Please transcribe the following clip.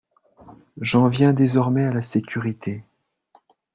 J’en viens désormais à la sécurité.